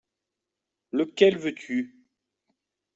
Lequel veux-tu ?